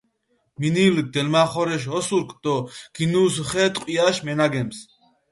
მინილჷ დელმახორეშ ოსურქ დო გინუსუ ხე ტყვიაშ მინაგემს.